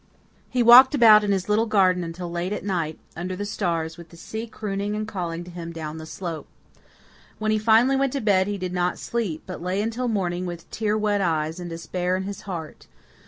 He walked about in his little garden until late at night, under the stars, with the sea crooning and calling to him down the slope. When he finally went to bed he did not sleep, but lay until morning with tear wet eyes and despair in his heart.